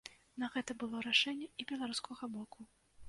На гэта было рашэнне і беларускага боку.